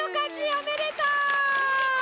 おめでとう！